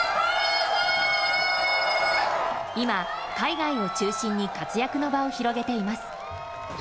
今、海外を中心に活躍の場を広げています。